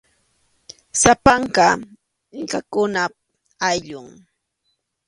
Sapanka inkakunap ayllun.